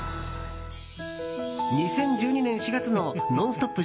２０１２年４月の「ノンストップ！」